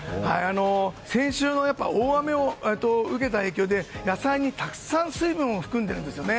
先週の大雨を受けた影響で野菜がたくさん水分を含んでいるんですね。